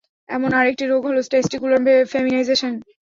এমন আরেকটি রোগ হলো টেস্টিকুলার ফেমিনাইজেশন।